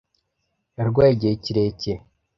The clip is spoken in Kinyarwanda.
Yarwaye igihe kirekire.